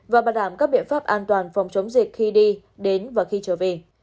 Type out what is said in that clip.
và bảo đảm các biện pháp an toàn phòng chống dịch khi đi đến và khi trở về